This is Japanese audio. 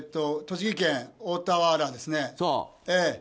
栃木県大田原市ですよね。